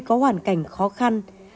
có hoàn cảnh khó khăn